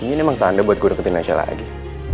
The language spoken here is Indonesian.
ini emang tanda buat gue neketin aisyah lagi